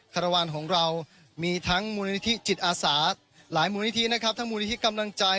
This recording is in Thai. คารวาลของเรามีทั้งมูลนิธิจิตอาสาหลายมูลนิธินะครับทั้งมูลนิธิกำลังใจ